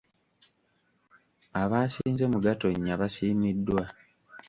Abaasinze mu gatonnya basiimiddwa.